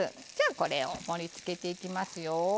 これを盛りつけていきますよ。